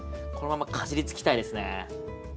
このままかじりつきたいですね。